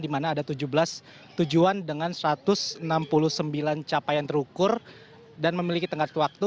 di mana ada tujuh belas tujuan dengan satu ratus enam puluh sembilan capaian terukur dan memiliki tenggat waktu